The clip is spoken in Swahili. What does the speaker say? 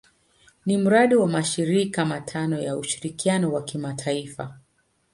Ni mradi wa mashirika matano ya ushirikiano wa kimataifa.